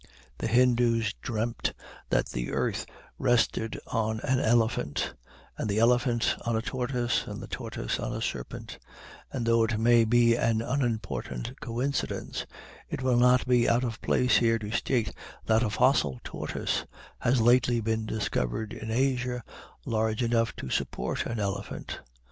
The Hindoos dreamed that the earth rested on an elephant, and the elephant on a tortoise, and the tortoise on a serpent; and though it may be an unimportant coincidence, it will not be out of place here to state, that a fossil tortoise has lately been discovered in Asia large enough to support an elephant.